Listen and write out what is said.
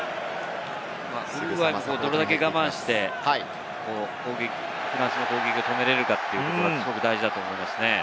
ウルグアイもどれだけ我慢してフランスの攻撃を止めるかというのがすごく大事だと思います。